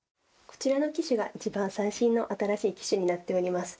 こちらの機種が一番最新の新しい機種になっております。